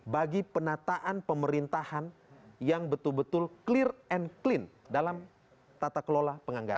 bagi penataan pemerintahan yang betul betul clear and clean dalam tata kelola penganggaran